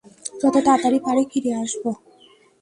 যত তাড়াতাড়ি পারি ফিরে আসবো।